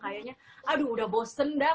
kayaknya aduh udah bosen dah